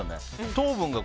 糖分が。